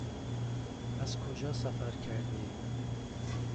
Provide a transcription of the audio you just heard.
از کجا سفر کرده اید؟